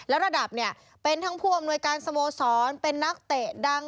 แล้วระดับเนี่ยเป็นทั้งผู้อำนวยการสโมสรเป็นนักเตะดัง